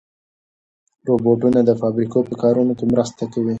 روبوټونه د فابریکو په کارونو کې مرسته کوي.